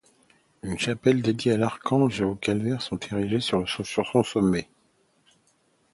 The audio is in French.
Une chapelle dédiée à l'Archange et un calvaire sont érigés sur son sommet.